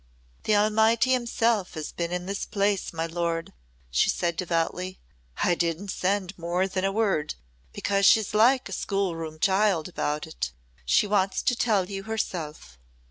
"The Almighty himself has been in this place, my lord," she said devoutly. "I didn't send more than a word, because she's like a schoolroom child about it. She wants to tell you herself."